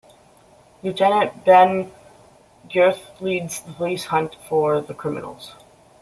Lieutenant Ben Guthrie leads the police hunt for the criminals.